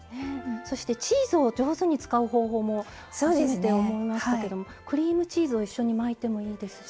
そしてチーズを上手に使う方法も初めて覚えましたけどもクリームチーズを一緒に巻いてもいいですし。